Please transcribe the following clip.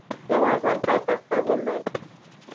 د افغانستان پایتخت کابل دي